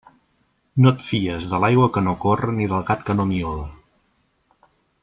No et fies de l'aigua que no corre ni del gat que no miole.